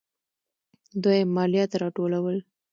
دویم: مالیات راټولول.